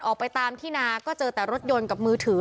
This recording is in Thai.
ออกไปตามที่นาก็เจอแต่รถยนต์กับมือถือ